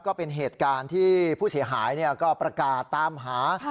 ก็เป็นเหตุการณ์ที่ผู้เสียหายก็ประกาศตามหา